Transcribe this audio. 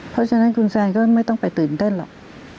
เพราะฉะนั้นคุณแซนก็ไม่ต้องไปตื่นเต้นหรอก